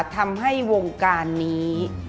ทำให้วงการนี้